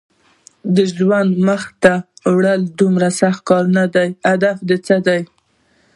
د ژوند مخته وړل دومره سخت کار نه دی، هدف دې څه دی؟